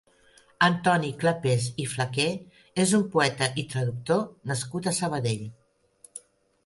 Antoni Clapés i Flaqué és un poeta i traductor nascut a Sabadell.